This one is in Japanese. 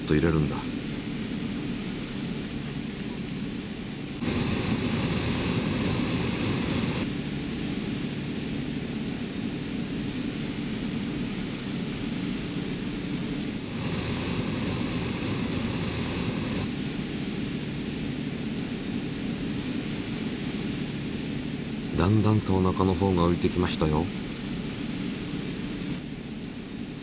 だんだんとおなかのほうがういてきましたよ。